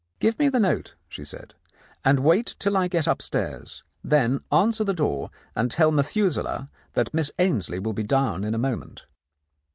"Give me the note," she said, "and wait till I get upstairs. Then answer the door, and tell Methu selah that Miss Ainslie will be down in a moment."